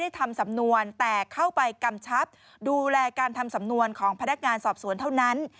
ดำเนินการทันที